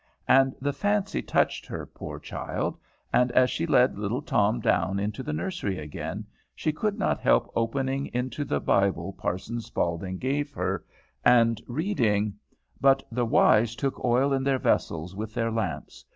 And the fancy touched her, poor child, and as she led little Tom down into the nursery again, she could not help opening into the Bible Parson Spaulding gave her and reading: "'But the wise took oil in their vessels with their lamps.